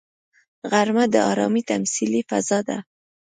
غرمه د ارامي تمثیلي فضا ده